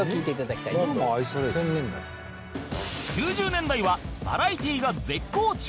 ９０年代はバラエティが絶好調